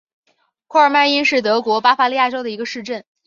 库尔迈因是德国巴伐利亚州的一个市镇。